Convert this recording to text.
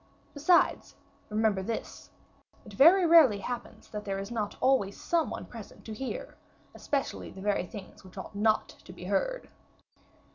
Besides, remember this: it very rarely happens that there is not always some one present to hear, especially the very things which ought not to be heard."